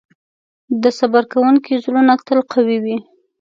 د صبر کوونکي زړونه تل قوي وي.